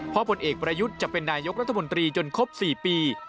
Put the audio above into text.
เพราะผลเอกประยุทธ์จะเป็นนายกรัฐมนตรีจนครบ๔ปี